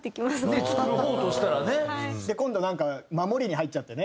今度なんか守りに入っちゃってね